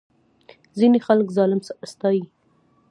ځینې خلک ظالم ستایي.